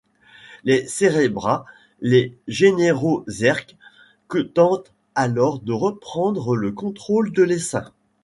Les Cérébrats, les généraux Zergs, tentent alors de reprendre le contrôle de l’Essaim.